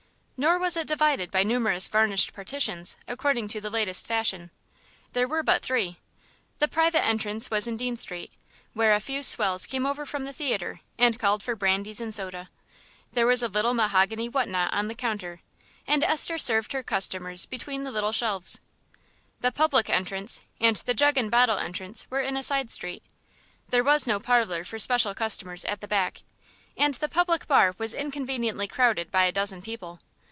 Nor was it divided by numerous varnished partitions, according to the latest fashion. There were but three. The private entrance was in Dean Street, where a few swells came over from the theatre and called for brandies and sodas. There was a little mahogany what not on the counter, and Esther served her customers between the little shelves. The public entrance and the jug and bottle entrance were in a side street. There was no parlour for special customers at the back, and the public bar was inconveniently crowded by a dozen people.